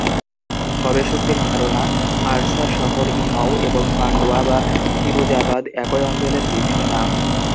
গবেষকদের ধারণা, আরসা শহর-ই-নও এবং পান্ডুয়া বা ফিরুজাবাদ একই অঞ্চলের বিভিন্ন নাম।